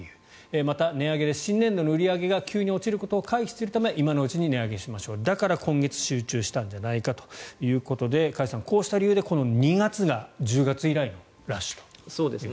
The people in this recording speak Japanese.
また値上げで新年度の売り上げが急に落ちることを回避するため今のうちに値上げしましょうだから、今月集中したんじゃないかということで加谷さん、こうした理由で２月が１０月以来のラッシュということですね。